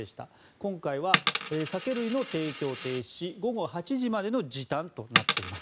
今回は酒類の提供停止午後８時までの時短となっています。